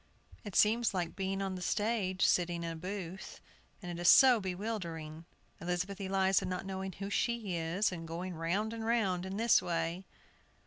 It seems like being on the stage, sitting in a booth, and it is so bewildering, Elizabeth Eliza not knowing who she is, and going round and round in this way."